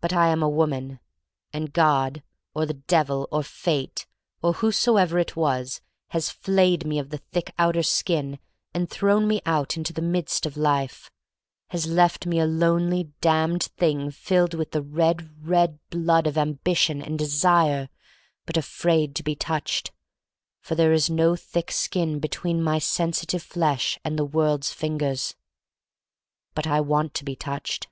But I am a woman, and God, or the 12 THE STORY OF MARY MAC LANE 1 3 Devil, or Fate, or whosoever it was, has flayed me of the thick outer skin and thrown me out into the midst of life — has left me a lonely, damned thing filled with the red, red blood of ambi tion and desire, but afraid to be touched, for there is no thick skin be tween my sensitive flesh and the world's fingers. But I want to be touched.